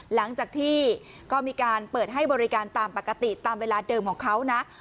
หลังจากที่ก็มีการเปิดให้บริการตามปกติตามเวลาเดิมของเขานะ